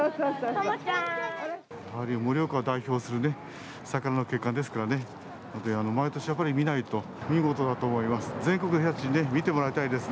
盛岡を代表する桜の結果ですから毎年やっぱり見ないと見事だと思います。